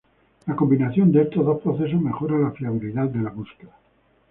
La combinación de estos dos procesos mejora la fiabilidad de la búsqueda.